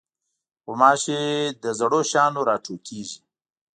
غوماشې له زړو شیانو راټوکېږي.